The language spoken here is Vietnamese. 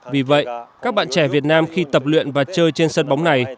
vì vậy các bạn trẻ việt nam khi tập luyện và chơi trên sân bóng này